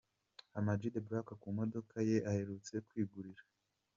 AmaG the Black ku modoka ye aherutse kwigurira.